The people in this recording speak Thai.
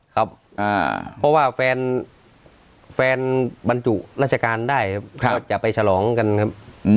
ครับเพราะว่าแฟนบรรจุราชการได้ครับก็จะไปฉลองกันครับ